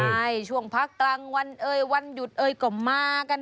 ใช่ช่วงพักกลับวันโอครับ